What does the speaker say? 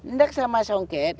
ndak sama songket